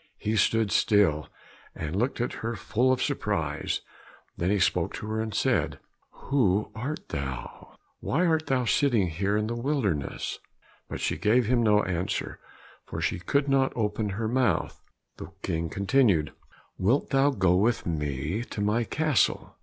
He stood still and looked at her full of surprise, then he spoke to her and said, "Who art thou? Why art thou sitting here in the wilderness?" But she gave no answer, for she could not open her mouth. The King continued, "Wilt thou go with me to my castle?"